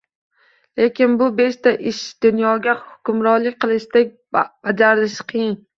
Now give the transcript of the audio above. Lekin bu beshta ish dunyoga hukmronlik qilishdek bajarilishi qiyin